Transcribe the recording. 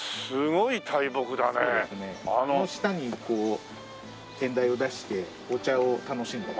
あの下にこう見台を出してお茶を楽しんだり。